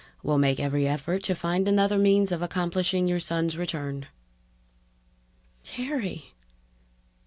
Will make every effort to find another means of accomplishing your son's return._ Terry!